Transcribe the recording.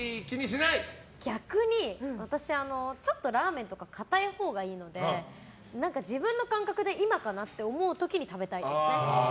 逆に私、ちょっとラーメンとか硬いほうがいいので自分の感覚で今かなと思う時に食べたいですね。